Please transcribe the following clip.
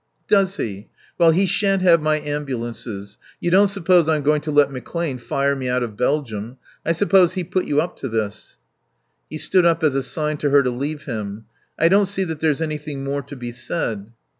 "Does he? Well he shan't have my ambulances. You don't suppose I'm going to let McClane fire me out of Belgium?... I suppose he put you up to this...." He stood up as a sign to her to leave him. "I don't see that there's anything more to be said."